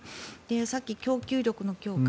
さっき、供給力の強化